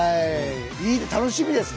楽しみですね。